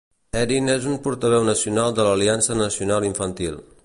Erin és un portaveu nacional de l'Aliança Nacional Infantil.